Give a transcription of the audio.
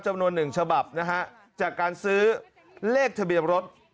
จำนวน๑ฉบับนะฮะจากการซื้อเลขทะเบียนรถ